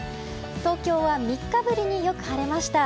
東京は３日ぶりによく晴れました。